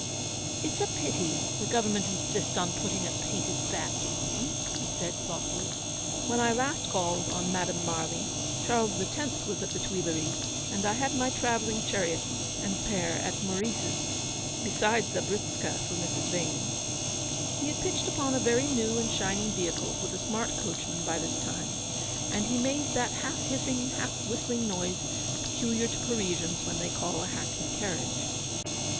"It's a pity the government insist on putting a painted badge upon them," he said, thought fully. " When I last called on IMadame Marly, Charles the Tenth was at the Tuileries, and I had my travelling chariot and pair at Meurice's, besides a Britska for Mrs. Vane." He had pitched upon a very new and shining vehicle, with a smart coachman, by this time, and he made that half hissing, half whistling noise peculiar to Parisians when they call a hackney carriage.